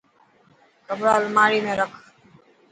ڪپڙا الماري ۾ رک.